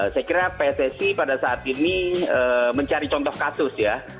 saya kira pssi pada saat ini mencari contoh kasus ya